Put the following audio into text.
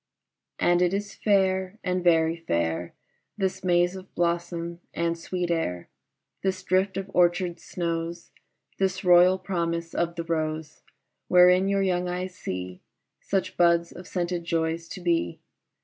AND it is fair and very fair This maze of blossom and sweet air, This drift of orchard snows, This royal promise of the rose Wherein your young eyes see Such buds of scented joys to be.